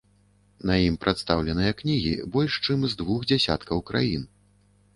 На ім прадстаўленыя кнігі з больш чым з двух дзясяткаў краін.